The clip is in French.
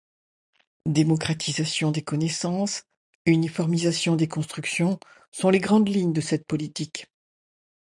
Démocratisation des connaissances, uniformisation des constructions sont les grandes lignes de cette politique.